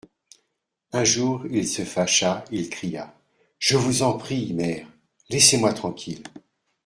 Un jour il se fâcha, il cria : Je vous en prie, mère, laissez-moi tranquille.